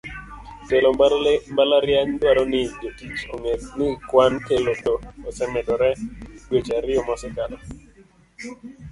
Jotelo mbalariany dwaro ni jotich ong'e ni kwan kwelo osemedore dweche ariyo mosekalo. "